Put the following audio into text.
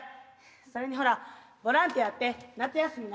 それにほらボランティアって夏休みの間だけだろ？